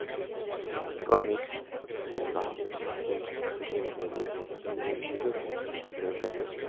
McCormick presentó a Hopkins a pequeñas audiencias, primero en Houston y luego en California.